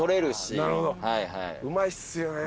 うまいっすよね。